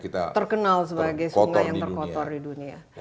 terkenal sebagai sungai yang terkotor di dunia